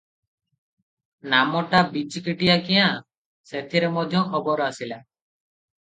ନାମଟା ବିଚିକିଟିଆ କ୍ୟାଁ, ସେଥିର ମଧ୍ୟ ଖବର ଆସିଲା ।